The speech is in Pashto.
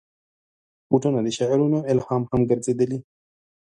بوټونه د شعرونو الهام هم ګرځېدلي.